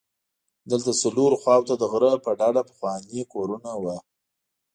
دلته څلورو خواوو ته د غره په ډډه پخواني کورونه وو.